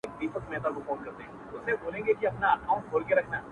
• باڼه به مي په نيمه شپه و لار ته ور وړم ـ